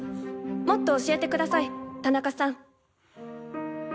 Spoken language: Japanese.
もっと教えてください、タナカさん。